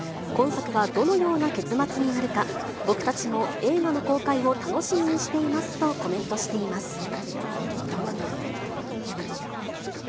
今作はどのような結末になるか、僕たちも映画の公開を楽しみにしていますとコメントしています。